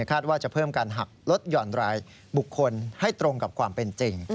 คาดว่าจะเพิ่มการหักลดห่อนรายบุคคลให้ตรงกับความเป็นจริง